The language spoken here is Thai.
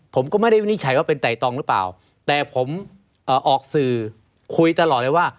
ผมก็ไม่ได้วินิจฉัยว่าเป็นไตตองหรือเปล่าแต่ผมออกสื่อคุยตลอดเลยว่า